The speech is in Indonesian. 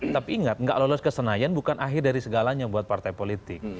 tapi ingat nggak lulus kesenayan bukan akhir dari segalanya buat partai politik